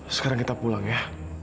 sekarang kita pulang ya